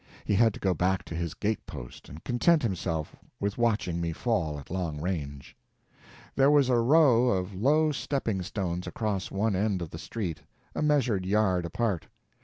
He had to go back to his gate post, and content himself with watching me fall at long range. There was a row of low stepping stones across one end of the street, a measured yard apart.